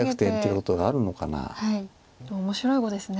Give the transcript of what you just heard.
でも面白い碁ですね。